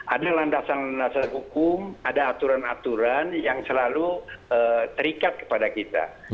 ada landasan landasan hukum ada aturan aturan yang selalu terikat kepada kita